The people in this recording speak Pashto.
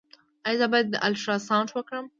ایا زه باید الټراساونډ وکړم؟